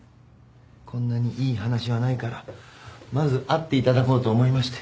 こんなにいい話はないからまず会っていただこうと思いまして。